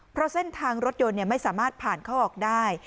เพราะเส้นทางรถยนต์ไม่สามารถผ่านเข้าออกได้